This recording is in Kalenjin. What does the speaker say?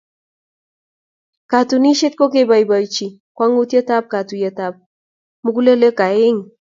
Katunisyet ko keboibochi kwong'utietab katuiyetab mugulelweek aeng.